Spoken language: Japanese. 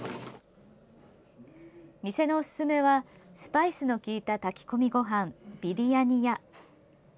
店のおすすめはスパイスの利いた炊き込みごはん、ビリヤニや。